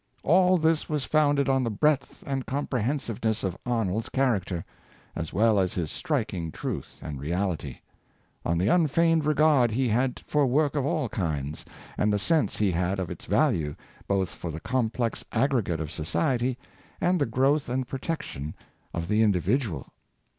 All this was founded on the breadth and com prehensiveness of Arnold's character, as well as his striking truth and reality; on the unfeigned regard he had for work of all kinds, and the sense he had of its value, both for the complex aggregate of society and the growth and protection of the individual.